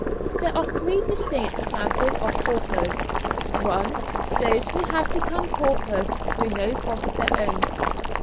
There are three distinct classes of paupers. (1) Those who have become paupers through no fault of their own.